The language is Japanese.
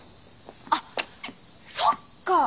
あっそっか！